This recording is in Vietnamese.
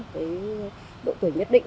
cái độ tuổi nhất định